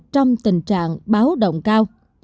trong tình trạng báo động cao